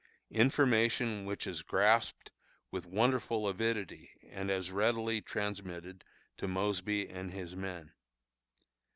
information which is grasped with wonderful avidity and as readily transmitted to Mosby and his men.